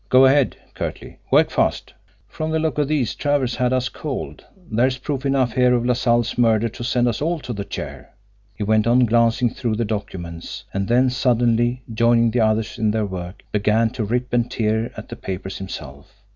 "Go ahead!" curtly. "Work fast! From the looks of these, Travers had us cold! There's proof enough here of LaSalle's murder to send us all to the chair!" He went on glancing through the documents; and then suddenly, joining the others in their work, began to rip and tear at the papers himself.